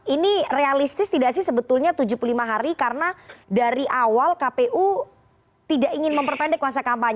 ini realistis tidak sih sebetulnya tujuh puluh lima hari karena dari awal kpu tidak ingin memperpendek masa kampanye